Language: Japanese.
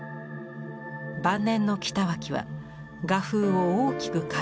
晩年の北脇は画風を大きく変えていました。